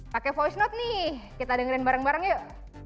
pakai voice note nih kita dengerin bareng bareng yuk